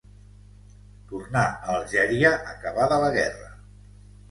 Tornà a Algèria acabada la guerra.